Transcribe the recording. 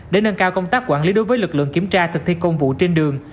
để nâng cao công tác quản lý đối với lực lượng kiểm tra thực thi công vụ trên đường